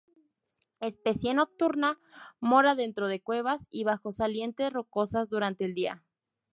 Especie nocturna, mora dentro de cuevas y bajo salientes rocosas durante el día.